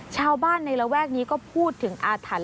ชาวบ้านในระแวกนี้ก็พูดถึงอาถรรพ